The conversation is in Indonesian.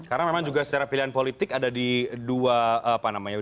karena memang juga secara pilihan politik ada di dua apa namanya